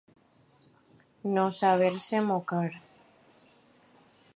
No saber-se mocar.